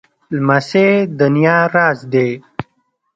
لمسی د نیا راز دی.